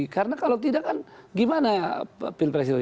karena kalau tidak gimana ya pilih presiden